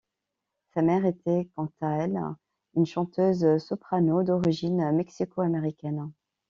Sa mère était, quant à elle, une chanteuse soprano d'origine mexico-américaine.